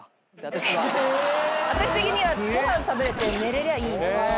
私的にはご飯食べれて寝れりゃいい。